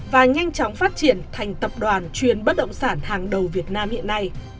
và nhanh chóng phát triển thành tập đoàn chuyên bất động sản hàng đầu việt nam hiện nay